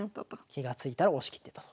気が付いたら押し切ってたと。